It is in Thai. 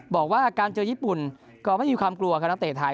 บอกว่าการเจอญี่ปุ่นก็ไม่มีความกลัวครับนักเตะไทย